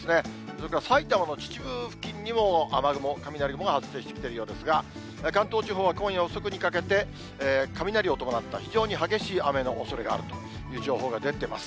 それから埼玉の秩父付近にも雨雲、雷雲が発生してきてるようですが、関東地方は今夜遅くにかけて、雷を伴った非常に激しい雨のおそれがあるという情報が出ています。